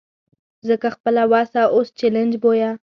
ځکه خپله وسه اوس چلنج بویه.